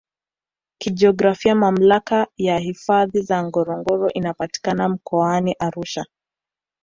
Kijiografia Mamlaka ya hifadhi ya Ngorongoro inapatikana Mkoani Arusha